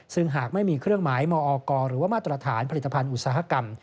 ซึ่งหากไม่มีเครื่องหมายมอกหรือว่ามาตรฐานผลิตภัณฑ์อุตสาหกรรม